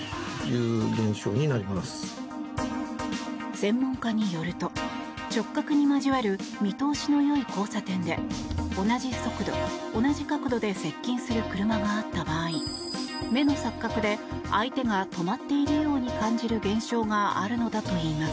専門家によると、直角に交わる見通しのよい交差点で同じ速度、同じ角度で接近する車があった場合目の錯覚で相手が止まっているように感じる現象があるのだといいます。